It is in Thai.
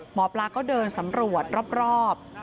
หมอปลาก็เดินสำรวจรอบ